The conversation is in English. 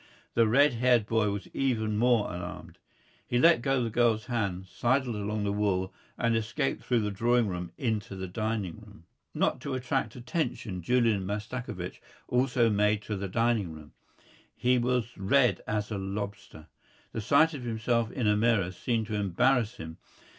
The red haired boy was even more alarmed. He let go the girl's hand, sidled along the wall, and escaped through the drawing room into the dining room. Not to attract attention, Julian Mastakovich also made for the dining room. He was red as a lobster. The sight of himself in a mirror seemed to embarrass him.